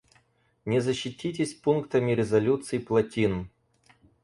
Не защититесь пунктами резолюций-плотин.